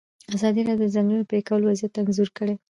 ازادي راډیو د د ځنګلونو پرېکول وضعیت انځور کړی.